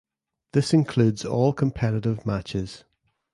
This includes all competitive matches.